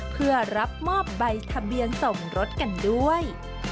เพื่อรับมอบใบทะเบียนส่งรถกันด้วย